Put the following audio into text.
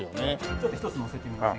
ちょっと一つのせてみません？